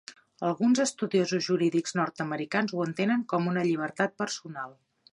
Alguns estudiosos jurídics nord-americans ho entenen com una llibertat personal.